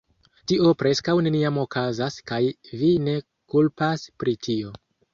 "Tio preskaŭ neniam okazas, kaj vi ne kulpas pri tio."